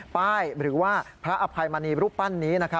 ป้ายหรือว่าพระอภัยมณีรูปปั้นนี้